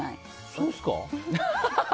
そうですか？